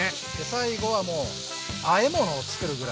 最後はもうあえ物をつくるぐらいで。